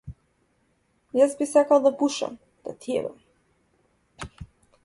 Јас би сакал да пушам, да ти ебам.